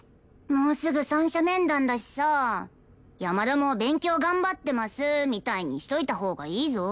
もうすぐ三者面談だしさ山田も勉強頑張ってますみたいにしといたほうがいいぞ。